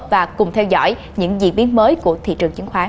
và cùng theo dõi những diễn biến mới của thị trường chứng khoán